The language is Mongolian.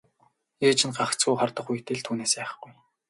Ээж нь гагцхүү хардах үедээ л түүнээс айхгүй.